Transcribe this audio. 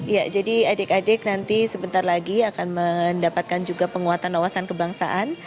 ya jadi adik adik nanti sebentar lagi akan mendapatkan juga penguatan wawasan kebangsaan